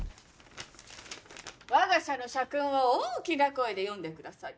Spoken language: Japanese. わが社の社訓を大きな声で読んでください。